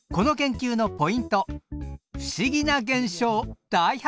不思議な現象大発見！